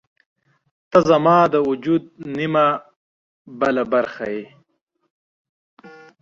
• ته زما د وجود نیمه بله برخه یې.